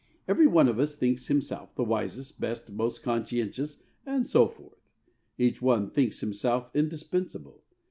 Every one of us thinks himself the wisest, best, most conscientious, and so forth. Each one thinks himself indispensable.